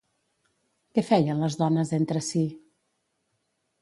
Què feien les dones entre sí?